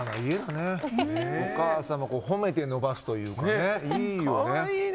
お母さんこう褒めて伸ばすというかね。